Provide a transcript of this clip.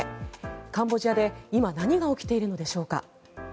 カンボジアで今何が起きているのでしょうか。